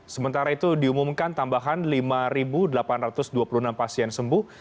sementara itu diumumkan tambahan lima delapan ratus dua puluh enam pasien sembuh